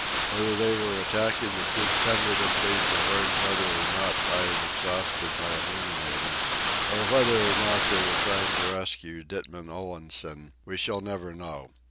Whether they were attacking the poop tentatively to learn whether or not I had exhausted my illuminators, or whether or not they were trying to rescue Ditman Olansen, we shall never know.